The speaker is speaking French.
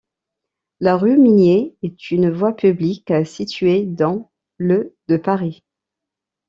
La rue Mignet est une voie publique située dans le de Paris.